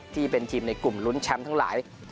ที่เป็นทีมในกลุ่มลุ้นแชมป์ทั้งหลาย